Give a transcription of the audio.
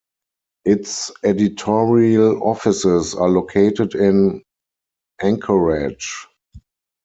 Its editorial offices are located in Anchorage.